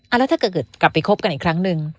แล้วถ้าเกิดกลับไปคบกันอีกครั้งหนึ่ง